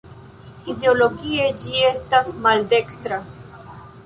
Ideologie ĝi estas maldekstra.